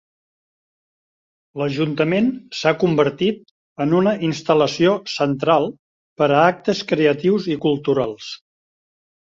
L'Ajuntament s'ha convertit en una instal·lació central per a actes creatius i culturals.